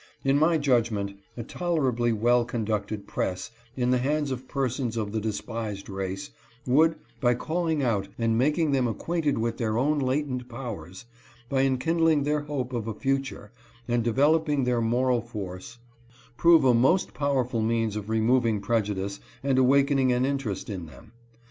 In my judgment, a tolerably well conducted press in the hands of persons of the despised race would, by calling out and making them acquainted with their own latent powers, by enkindling their hope of a future and developing their moral force, prove a most powerful means of removing prejudice and awakening an interest in them.